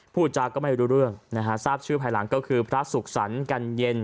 พูดจาก็ไม่รู้เรื่องนะฮะทราบชื่อภายหลังก็คือพระสุขสรรค์กันเย็น